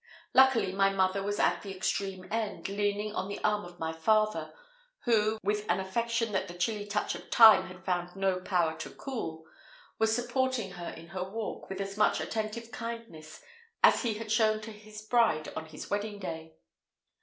Luckily my mother was at the extreme end, leaning on the arm of my father, who, with an affection that the chilly touch of Time had found no power to cool, was supporting her in her walk with as much attentive kindness as he had shown to his bride upon his wedding day.